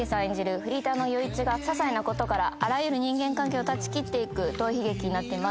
フリーターの裕一が些細なことからあらゆる人間関係を断ち切っていく逃避劇になっています